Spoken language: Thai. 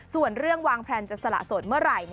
ส่วนเรื่องวางแพลนจะสละสดเมื่อไหร่